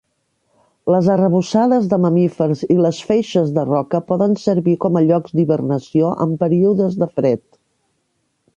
Les arrebossades de mamífers i les feixes de roca poden servir com a llocs d'hibernació en períodes de fred.